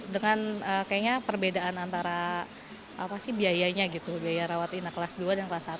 dengan kayaknya perbedaan antara apa sih biayanya gitu biaya rawat inap kelas dua dan kelas satu